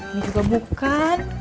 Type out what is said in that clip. ini juga bukan